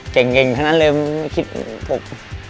เก่งเก่งทั้งนั้นเลยไม่คิดอก